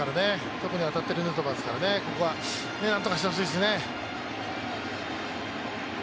特に当たってるヌートバーですからここはなんとかしてほしいですね。